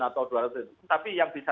atau dua ratus tapi yang bisa